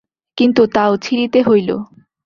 কিন্তু তাও ছিঁড়িতে হইল।